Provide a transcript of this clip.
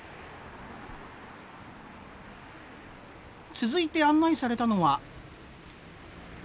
続いて案内されたのは。